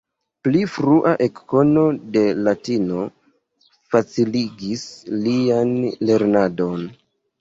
Pli frua ekkono de latino faciligis lian lernadon.